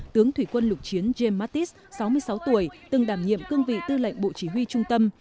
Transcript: tướng thủy quân lục chiến james mattis sáu mươi sáu tuổi từng đảm nhiệm cương vị tư lệnh bộ chỉ huy trung tâm